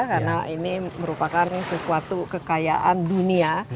karena ini merupakan sesuatu kekayaan dunia